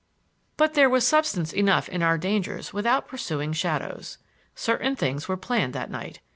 But there was substance enough in our dangers without pursuing shadows. Certain things were planned that night.